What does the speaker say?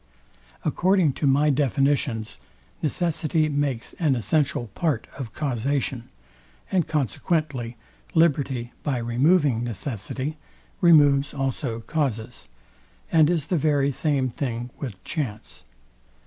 According to my definitions, necessity makes an essential part of causation; and consequently liberty, by removing necessity, removes also causes, and is the very same thing with chance.